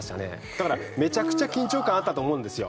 だからメチャクチャ緊張感あったと思うんですよ